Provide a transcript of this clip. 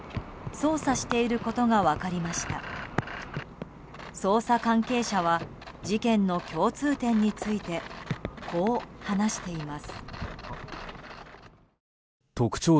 捜査関係者は事件の共通点についてこう話しています。